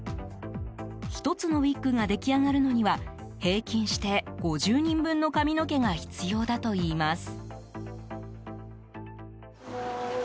１つのウィッグが出来上がるのには平均して５０人分の髪の毛が必要だといいます。